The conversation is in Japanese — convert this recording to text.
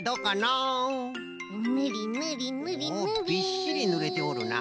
おおびっしりぬれておるな。